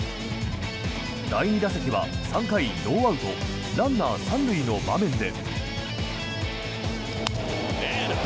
第２打席は３回ノーアウト、ランナー３塁の場面で。